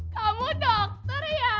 kamu dokter ya